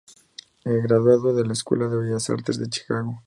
Graduado de la escuela de Bellas Artes de Chicago.